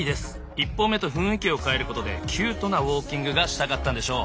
１本目と雰囲気を変えることでキュートなウォーキングがしたかったんでしょう。